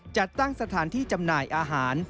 จัดตั้งสถานที่จำหน่ายอาหาร